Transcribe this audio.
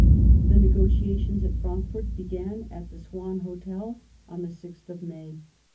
The negotiations at Frankfort began at the Swan Hotel on the 6th of May.